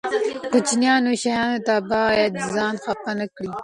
کوچنیو شیانو ته باید ځان خپه نه کړي.